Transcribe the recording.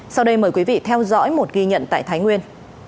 sau đây mời quý vị theo dõi một ghi nhận tại thái nguyên